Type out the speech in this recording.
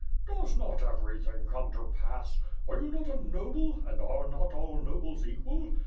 "Does not everything come to pass? Are you not a noble, and are not all nobles equal?